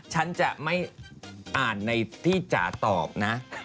ฉันจะไม่อ่านในที่จ๋าตอบนะ